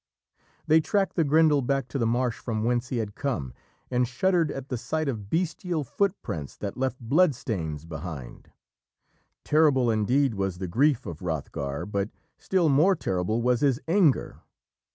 They tracked the Grendel back to the marsh from whence he had come, and shuddered at the sight of bestial footprints that left blood stains behind. Terrible indeed was the grief of Hrothgar, but still more terrible was his anger.